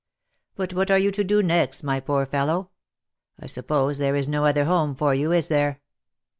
But what are you to do next, my poor fellow ? I suppose there is no other home for you, is there